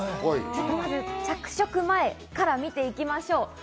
まず着色前から見ていきましょう。